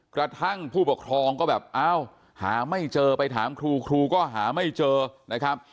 กระทั่งผู้ปกครองก็แบบอ้าวหาไม่เจอไปถามครูครูก็หาไม่เจอนะครับ